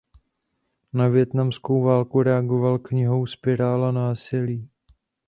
Na vietnamskou válku reagoval knihou "Spirála násilí".